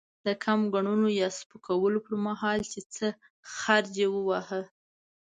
د کم ګڼلو يا سپکولو پر مهال؛ چې څه خرج يې وواهه.